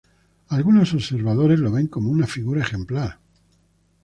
Algunos observadores lo ven como una figura ejemplar.